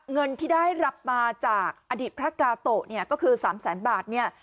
เงินที่ได้รับมาจากอดีตพระกาโตะเนี่ยก็คือ๓แสนบาทเนี่ย